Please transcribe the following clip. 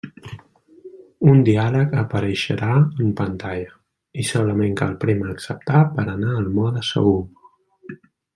Un diàleg apareixerà en pantalla, i solament cal prémer Acceptar per anar al mode segur.